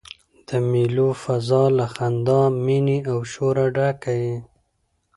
د مېلو فضاء له خندا، میني او شوره ډکه يي.